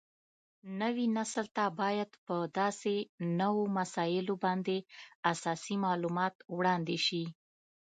نوي نسل ته باید په داسې نوو مسایلو باندې اساسي معلومات وړاندې شي